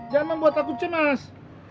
jangan buat aku cemas